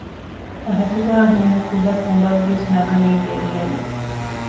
ފަހަތުގައި ހުންނަ ކުޑަ ކުނބަށް ވެސް ނަގަނީ ދެރިޔަލު